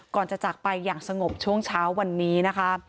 ก่อนจะจากไปอย่างสงบช่วงเช้าวันนี้นะคะ